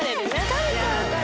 疲れちゃうから。